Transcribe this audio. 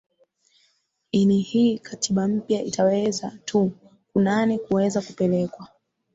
ini hii katiba mpya itaweza tu kunani kuweza kupelekwa